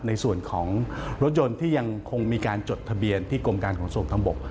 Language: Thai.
ในส่วนของรถยนต์ที่ยังคงมีการจดทะเบียนที่กรมการขนส่งทางบก